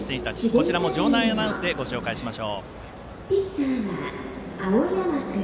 こちらも場内アナウンスでご紹介します。